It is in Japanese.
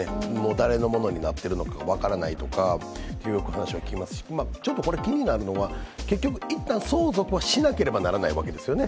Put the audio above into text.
誰のものになっているのか分からないという話はよく聞きますしちょっとこれ気になるのは、いったん相続をしなければならないわけですよね。